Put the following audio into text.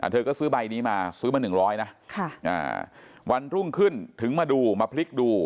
เธอก็ซื้อใบนี้มาซื้อมา๑๐๐นะวันรุ่งขึ้นถึงมาดูมาพลิกดู